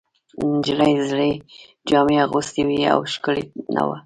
نجلۍ زړې جامې اغوستې وې او ښکلې نه وه.